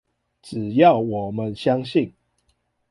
只要我們相信